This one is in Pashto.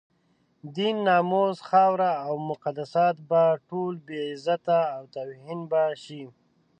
دين، ناموس، خاوره او مقدسات به ټول بې عزته او توهین به شي.